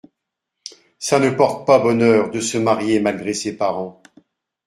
Ça ne porte pas bonheur de se marier malgré ses parents.